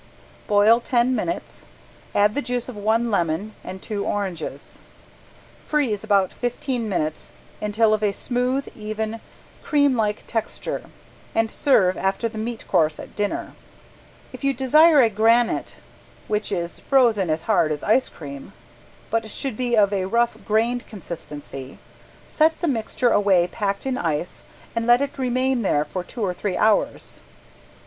Boil ten minutes, add the juice of one lemon and two oranges, freeze about fifteen minutes until of a smooth, even, cream like texture, and serve after the meat course at dinner. If you desire a granite which is frozen as hard as ice cream, but should be of a rough grained consistency, set the mixture away packed in ice and let it remain there for two or three hours.